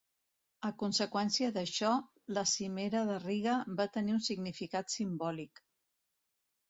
A conseqüència d'això, la Cimera de Riga va tenir un significat simbòlic.